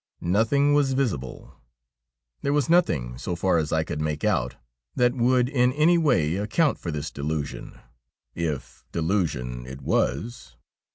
Nothing was visible ; there was nothing, so far as I could make out, that would in any way account for this delusion, if delusion it was.